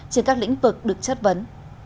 và các lĩnh vực được chất vấn